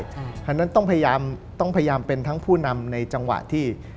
เพราะฉะนั้นต้องพยายามเป็นทั้งผู้นำในจังหวะที่